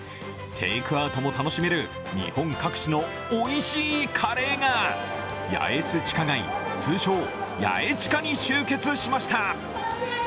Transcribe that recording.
テークアウトも楽しめる、日本各地のおいしいカレーが八重洲地下街通称・ヤエチカに集結しました。